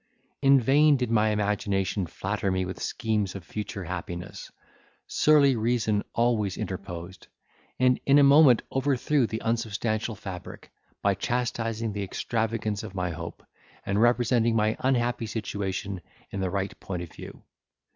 In vain did my imagination flatter me with schemes of future happiness: surly reason always interposed, and in a moment overthrew the unsubstantial fabric, by chastising the extravagance of my hope, and representing my unhappy situation in the right point of view.